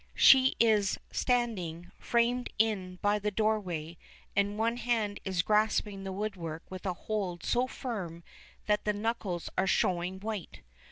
She is standing, framed in by the doorway, and one hand is grasping the woodwork with a hold so firm that the knuckles are showing white.